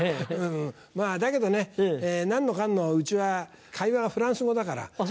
だけどね何のかんのうちは会話はフランス語だから。